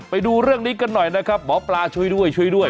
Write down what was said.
ไปดูเรื่องนี้กันหน่อยนะครับหมอปลาช่วยด้วยช่วยด้วย